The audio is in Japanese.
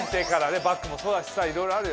バッグもそうだしいろいろある。